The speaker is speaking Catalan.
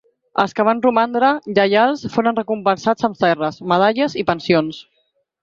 Els que van romandre lleials foren recompensats amb terres, medalles i pensions.